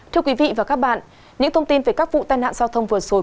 thưa quý vị và các bạn những thông tin về các vụ tai nạn giao thông vừa rồi